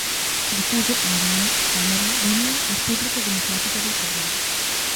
È diffuso in Ghana, Camerun, Guinea e Repubblica Democratica del Congo.